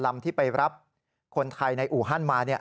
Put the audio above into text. ลำที่ไปรับคนไทยในอู่ฮันมา